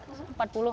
mau seprapat juga deh